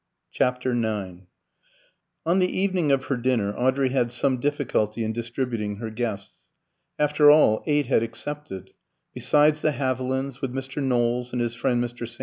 CHAPTER IX On the evening of her dinner Audrey had some difficulty in distributing her guests. After all, eight had accepted. Besides the Havilands, with Mr. Knowles and his friend Mr. St.